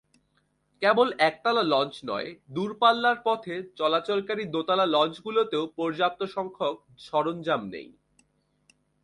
কেবল একতলা লঞ্চ নয়, দূরপাল্লার পথে চলাচলকারী দোতলা লঞ্চগুলোতেও পর্যাপ্তসংখ্যক সরঞ্জাম নেই।